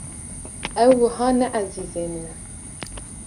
Ew wiha ne ezîzê min e.